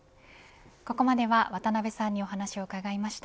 ここまでは渡辺さんにお話を伺いました。